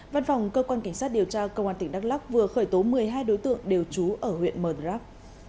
văn phòng cơ quan cảnh sát điều tra công an tỉnh đắk lắc vừa khởi tố một mươi hai đối tượng đều trú ở huyện mờ rắc